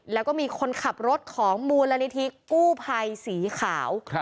แล้วก็มีคนขับรถของมูลนิธิกู้ภัยสีขาว